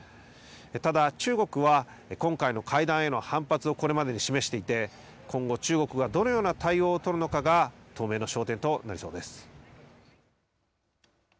ただ中国は、今回の会談への反発をこれまでに示していて、今後、中国がどのような対応を取るのかが当面の焦点となりそうです。